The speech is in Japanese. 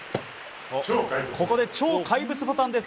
ここで超怪物ボタンです。